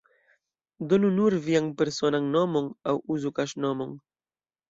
Donu nur vian personan nomon, aŭ uzu kaŝnomon.